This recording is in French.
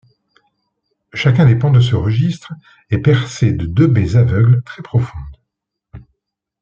Chacun des pans de ce registre est percé de deux baies aveugles très profondes.